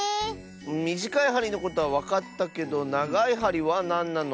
みじかいはりのことはわかったけどながいはりはなんなの？